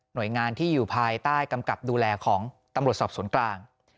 โดยงานที่อยู่ภายใต้กำกับดูแลของตำรวจสอบสวนกลาง